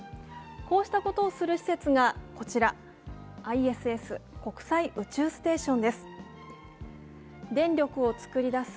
こうしたことをする施設がこちら、ＩＳＳ＝国際宇宙ステーションです。